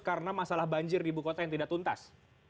karena masalah banjir di ibu kota yang tidak tuntas